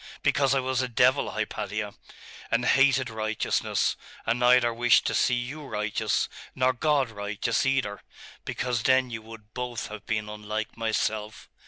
Because I was a devil, Hypatia; and hated righteousness, and neither wished to see you righteous, nor God righteous either, because then you would both have been unlike myself.